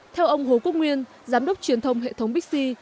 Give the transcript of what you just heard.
theo ông hồ quốc nguyên giám đốc truyền thông hệ thống bixi